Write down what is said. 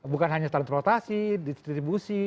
bukan hanya transportasi distribusi